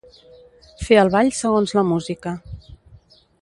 Fer el ball segons la música.